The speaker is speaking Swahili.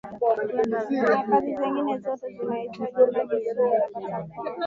na kazi zingine sote zinaitaji maji so unapata kwamba